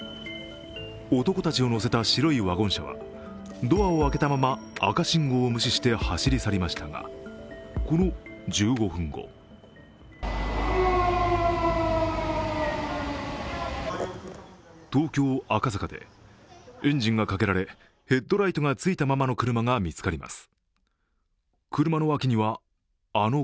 男たちを乗せた白いワゴン車は、ドアを開けたまま赤信号を無視して走り去りましたがこの１５分後東京・赤坂でエンジンがかけられヘッドライトがついたままの車が見つかります。